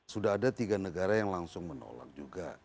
sudah ada tiga negara yang langsung menolak juga